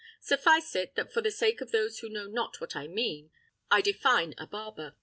Suffice it, that for the sake of those who know not what I mean, I define a barber.